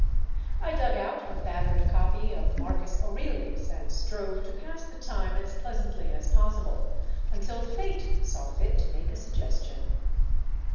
I dug out a battered copy of Marcus Aurelius, and strove to pass the time as pleasantly as possi ble until fate saw fit to make a suggestion.